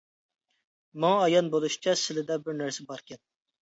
ماڭا ئايان بولۇشىچە سىلىدە بىر نەرسە باركەن.